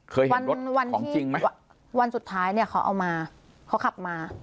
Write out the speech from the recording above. วันวันของจริงไหมวันสุดท้ายเนี่ยเขาเอามาเขาขับมา